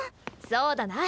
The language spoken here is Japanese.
そうだな。